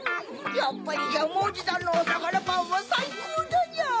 やっぱりジャムおじさんのおさかなパンはさいこうだニャ。